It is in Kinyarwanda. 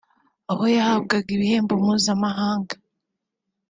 aho yahabwaga ibihembo mpuzamahanga